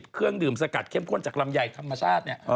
เครื่องดื่มสกัดเข้มข้นจากลำไยธรรมชาติเนี่ย